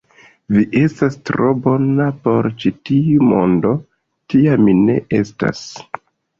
Vi estas tro bona por ĉi tiu mondo; tia mi ne estas.